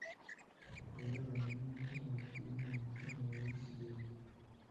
ku birebana n imitungo iri mu mutungo w ikigega